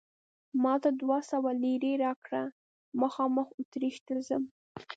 ما ته دوه سوه لیرې راکړه، مخامخ اتریش ته ځم.